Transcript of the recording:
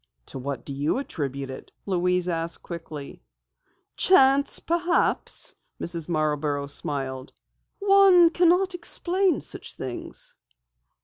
"To what do you attribute it?" Louise asked quickly. "Chance perhaps," Mrs. Marborough smiled. "One cannot explain such things."